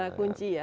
menjadi kunci ya